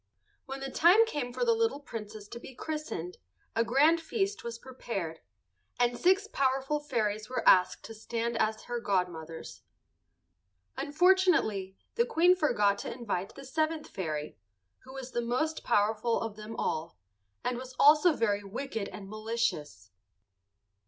When the time came for the little Princess to be christened, a grand feast was prepared, and six powerful fairies were asked to stand as her godmothers. Unfortunately the Queen forgot to invite the seventh fairy, who was the most powerful of them all, and was also very wicked and malicious.